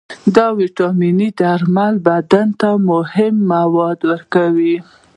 د ویټامینونو درمل بدن ته مهم مواد ورکوي.